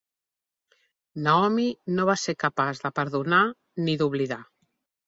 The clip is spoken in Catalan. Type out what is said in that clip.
Naomi no va ser capaç de perdonar ni d'oblidar.